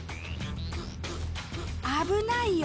危ないよ！